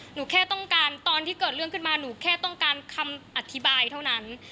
หนูแค่ต้องการตอนที่เกิดเรื่องขึ้นมาหนูแค่ต้องการคำอธิบายเท่านั้น